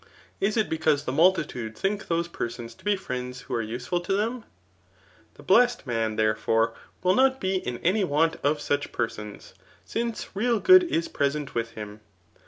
] Is it because the multitude think those persons to be friends who are useful to them? The blessed man, therefore, will Jiot b^ in any want of such persons, since real good 18 present with him.